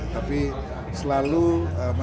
tapi selalu bergulir